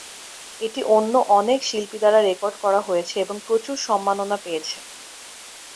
এটি অন্য অনেক শিল্পী দ্বারা রেকর্ড করা হয়েছে এবং প্রচুর সম্মাননা পেয়েছে।